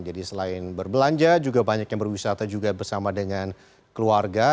jadi selain berbelanja juga banyak yang berwisata juga bersama dengan keluarga